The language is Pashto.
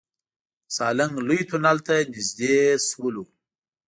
د سالنګ لوی تونل ته نزدې شولو.